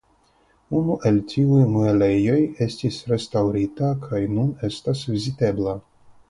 Unu el tiuj muelejoj estis restaŭrita kaj nun estas vizitebla.